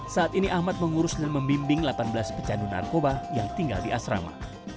saat ini ahmad mengurus dan membimbing delapan belas pecandu narkoba yang tinggal di asrama